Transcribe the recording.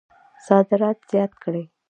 صادرات زیات کړئ